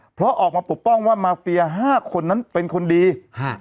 เพราะออกมาปกป้องว่ามาเฟียห้าคนนั้นเป็นคนดีฮะ